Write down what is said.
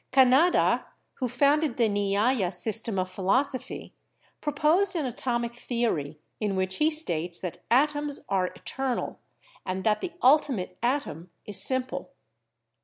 Kanada, who founded the Nyaya system of philosophy, proposed an atomic theory in which he states that atoms are eternal and that the ultimate atom is simple.